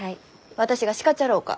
私が叱っちゃろうか？